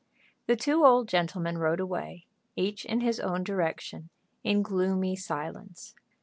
The two old gentlemen rode away, each in his own direction, in gloomy silence.